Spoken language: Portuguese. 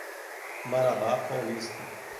Marabá Paulista